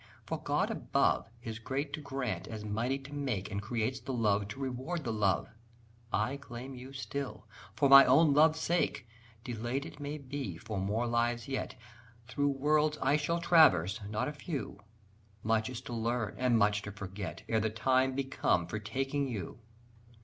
for God above Is great to grant, as mighty to make, And creates the love to reward the love: I claim you still, for my own love's sake! Delayed it may be for more lives yet, Through worlds I shall traverse, not a few: Much is to learn and much to forget Ere the time be come for taking you.